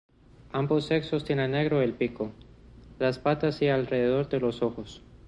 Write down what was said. Ambos sexos tienen negro el pico, las patas y alrededor de los ojos.